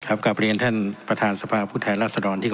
ครับกลับไปเรียนท่านประธานสภาพุทธแทนลักษณ์สะดอนที่